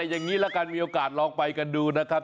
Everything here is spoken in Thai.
อย่างนี้ละกันมีโอกาสลองไปกันดูนะครับ